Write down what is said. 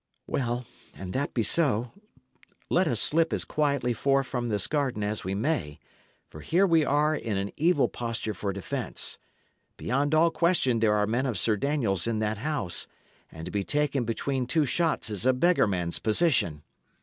Well, an that be so, let us slip as quietly forth from this garden as we may; for here we are in an evil posture for defence. Beyond all question there are men of Sir Daniel's in that house, and to be taken between two shots is a beggarman's position.